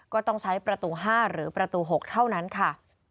ก็ต้องใช้ประตู๕หรือประตู๖เท่านั้นค่ะ